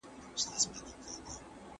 د داستان په تحقیق کي زمانه مه هېروئ.